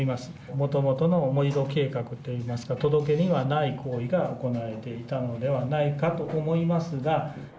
もともとの盛り土計画といいますか、届け出にはない行為が行われていたのではないかと思いますが。